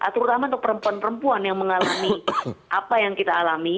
terutama untuk perempuan perempuan yang mengalami apa yang kita alami